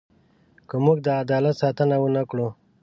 که موږ د عدالت ساتنه ونه کړو.